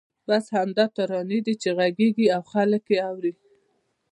بس همدا ترانې دي چې غږېږي او خلک یې اوري.